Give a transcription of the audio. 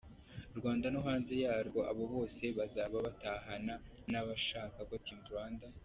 Rwanda no hanze yarwo, aba bose bazaba batahana nbashaka ko Team Rwanda